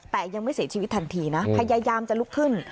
แต่ยังไม่เสียชีวิตทันทีนะพยายามจะลุกขึ้น